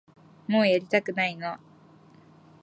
もうやりたくないな